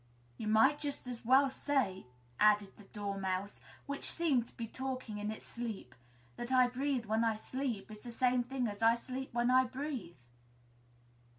"You might just as well say," added the Dormouse, which seemed to be talking in its sleep, "that 'I breathe when I sleep' is the same thing as 'I sleep when I breathe!'"